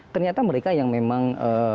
ternyata mereka yang memang